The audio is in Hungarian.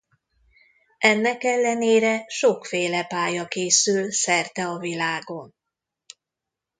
Ennek ellenére sokféle pálya készül szerte a világon.